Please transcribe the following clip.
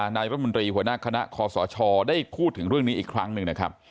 นายรัฐมนตรีหัวหน้าคณะคอสชได้พูดถึงเรื่องนี้อีกครั้งหนึ่งนะครับ